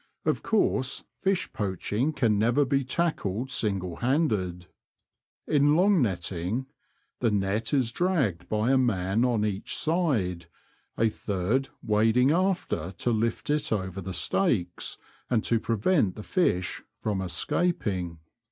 Of course fish poaching can never be tackled single handed. In ^Mong netting" the net is dragged by a man on each side, a third wading after to lift it over the stakes, and to prevent the fish from escaping.